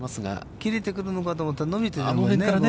切れてくるのかと思ったら、伸びてね。